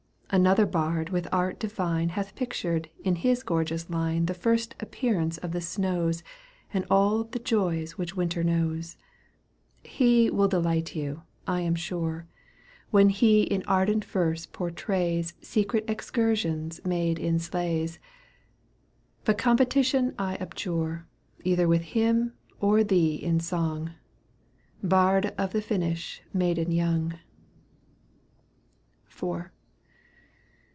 Another bard with art divine Hath pictured in his gorgeous line The first appearance of the snows And all the joys which Winter knows. He will delight you, I am sure. Digitized by CjOOQ 1С г CANTO V. EUGENE ON^GUINE. 129 When he in ardent verse portrays Secret excursions made in sleighs ; But competition I abjure Either with him or thee in song, Bard of the Finnish maiden young.*^ IV.